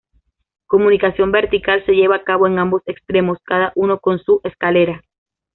Comunicación vertical se lleva a cabo en ambos extremos, cada uno con su escalera.